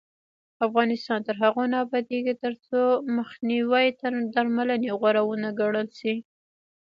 افغانستان تر هغو نه ابادیږي، ترڅو مخنیوی تر درملنې غوره ونه ګڼل شي.